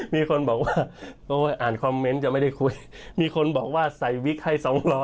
มีคนบอกว่าโอ้อ่านคอมเมนต์จะไม่ได้คุยมีคนบอกว่าใส่วิกให้๒๐๐